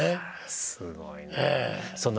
すごいな。